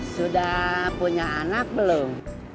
sudah punya anak belum